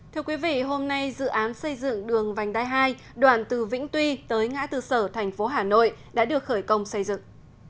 thưa quý vị hôm nay dự án xây dựng đường vành đai hai đoạn từ vĩnh tuy tới ngã tư sở thành phố hà nội đã được khởi công xây dựng